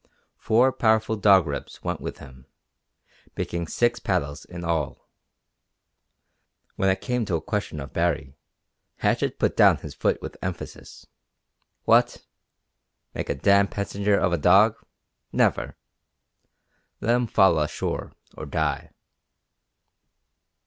Four powerful Dog Ribs went with them, making six paddles in all. When it came to a question of Baree, Hatchett put down his foot with emphasis. "What! Make a dam' passenger of a dog? Never. Let him follow ashore or die."